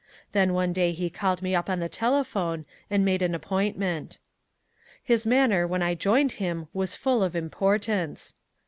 Then one day he called me up on the telephone, and made an appointment. His manner when I joined him was full of importance.